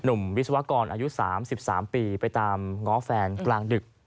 หนุ่มวิศวกรณ์อายุสามสิบสามปีไปตามง้อแฟนกลางดึก